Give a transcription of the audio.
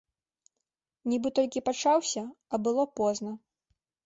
Нібы толькі пачаўся, а было позна.